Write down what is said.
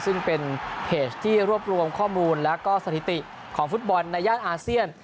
ซึ่งเป็นเพจที่รวบรวมข้อมูลแล้วก็สถิติของฟุตบอลในย่านอาเซียน